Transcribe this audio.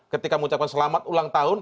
ketika mengucapkan selamat ulang tahun